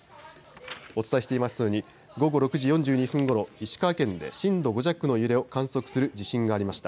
お伝えしていますように午後６時４２分ごろ、石川県で震度５弱の揺れを観測する地震がありました。